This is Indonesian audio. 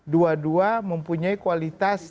dua dua mempunyai kualitas